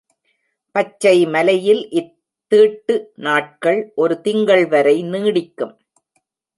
பச்சை மலையில் இத்தீட்டு நாட்கள் ஒரு திங்கள் வரை நீடிக்கும்.